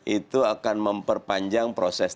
itu akan memperpanjang proses